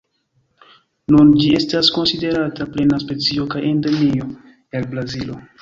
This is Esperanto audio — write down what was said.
Nun ĝi estas konsiderata plena specio kaj endemio el Brazilo.